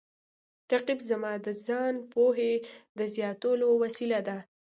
رقیب زما د ځان پوهې د زیاتولو وسیله ده